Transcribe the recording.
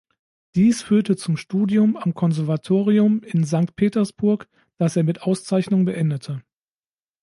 Dies führte zum Studium am Konservatorium in Sankt Petersburg, das er mit Auszeichnung beendete.